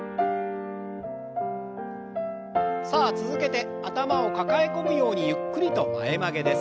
さあ続けて頭を抱え込むようにゆっくりと前曲げです。